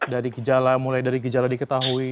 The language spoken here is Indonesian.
dari gejala mulai dari gejala diketahui